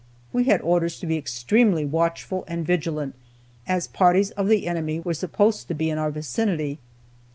We had orders to be extremely watchful and vigilant, as parties of the enemy were supposed to be in our vicinity.